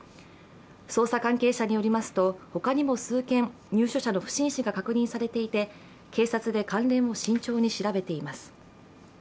捜査関係者によりますと他にも数件、入所者の不審死が確認されていて、警察で関連を慎重に調べています。